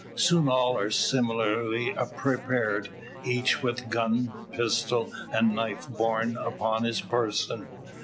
Soon all are similarly prepared, each with gun, pistol, and knife borne upon his person.